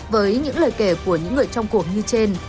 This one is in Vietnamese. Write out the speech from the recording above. với những lời kể của những người trong cuộc như trên